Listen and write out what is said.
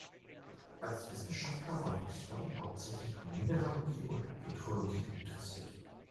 Als Wissenschaftler war Wichmann hauptsächlich an Mineralogie und Petrologie interessiert.